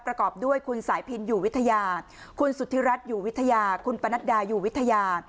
ประกอบด้วยคุณสายพินอยู่วิทยาคุณสุธิรัฐอยู่วิทยาคุณปนัดดาอยู่วิทยา